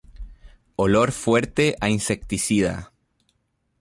Olor fuerte a insecticida.